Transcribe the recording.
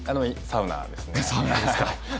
サウナですか。